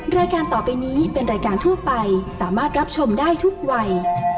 รายการต่อไปนี้เป็นรายการทั่วไปสามารถรับชมได้ทุกวัย